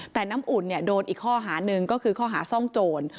แต่น้ำอุ่นโดนอีกข้อหาหนึ่งก็คือข้อหาซ่องโจร